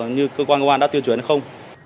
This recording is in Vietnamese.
như cơ quan công an đã tiêu chuẩn hay không